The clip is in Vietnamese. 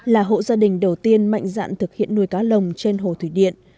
là hộ gia đình đầu tiên mạnh dạn thực hiện nuôi cá lồng trên hồ thủy điện